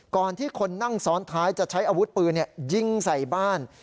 ก่อนที่คนนั่งซ้อนท้ายจะใช้อาวุธปืนยิงใส่บ้าน